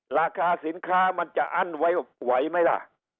ราคาสินค้ามันจะอั้นไว้ไหวไหมล่ะ